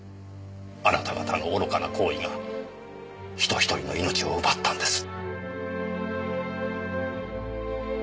あなた方の愚かな行為が人ひとりの命を奪ったんです。